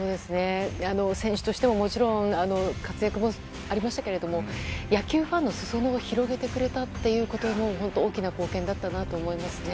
選手としてももちろん活躍もありましたけれども野球ファンの裾野を広げてくれたってことも本当、大きな貢献だったなと思います。